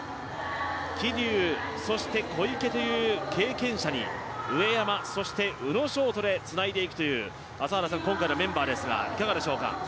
桐生、そして小池という経験者に上山、そして宇野勝翔でつないでいくという今回のメンバーですが、いかがでしょうか。